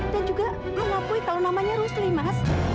dan juga mengakui kalau namanya rusli mas